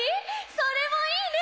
それもいいね